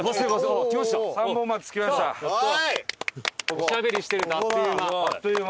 おしゃべりしてるとあっという間。